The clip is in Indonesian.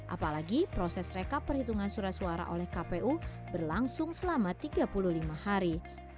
apalagi proses rekap perhitungan surat suara oleh kpu berlangsung selama tiga puluh lima hari